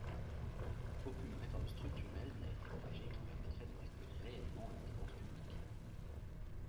Aucune réforme structurelle n’a été engagée qui permettrait de réduire réellement la dépense publique.